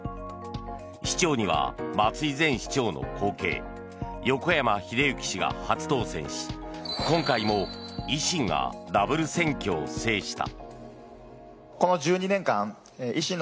市長には松井前市長の後継横山英幸氏が初当選し今回も維新がダブル選挙を制した。